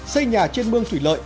xây nhà trên mương thủy lợi